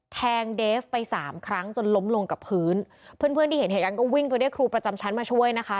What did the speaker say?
เดฟไปสามครั้งจนล้มลงกับพื้นเพื่อนเพื่อนที่เห็นเหตุการณ์ก็วิ่งไปเรียกครูประจำชั้นมาช่วยนะคะ